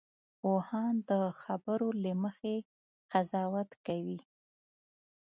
پوهان د خبرو له مخې قضاوت کوي